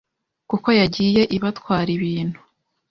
kuko yagiye ibatwara ibintu,